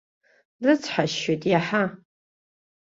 Рыцҳасшьоит иаҳа!